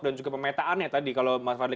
dan juga pemetaannya tadi kalau mas fadli